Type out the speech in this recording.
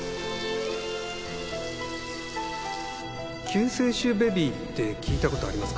救世主ベビーって聞いたことありますか？